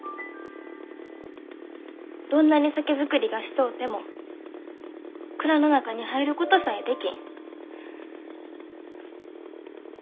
どんなに酒造りがしとうても蔵の中に入ることさえできん。